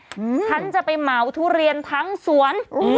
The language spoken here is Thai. ฉันจะไปเหมาทุเรียนทั้งสวน